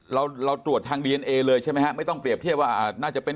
เราเราตรวจทางดีเอนเอเลยใช่ไหมฮะไม่ต้องเรียบเทียบว่าอ่าน่าจะเป็น